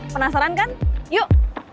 penasaran kan yuk